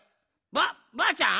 ばばあちゃん？